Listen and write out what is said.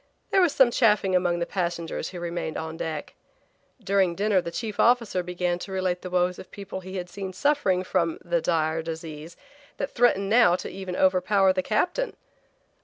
There was some chaffing among the passengers who remained on deck. During dinner the chief officer began to relate the woes of people he had seen suffering from the dire disease that threatened now to even overpower the captain.